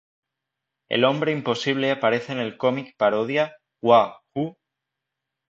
El Hombre Imposible aparece en el cómic parodia "Wha...Huh?